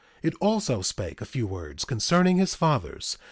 1:22 It also spake a few words concerning his fathers.